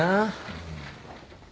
うん。